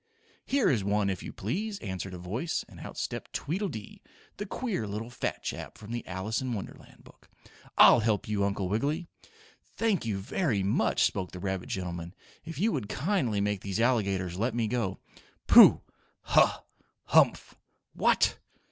"Here is one, if you please," answered a voice, and out stepped Tweedledee, the queer little fat chap from the Alice in Wonderland book. "I'll help you, Uncle Wiggily." "Thank you, very much," spoke the rabbit gentleman. "If you would kindly make these alligators let me go " "Pooh! Huh! Humph! What!